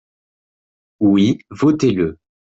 Oui, votez-le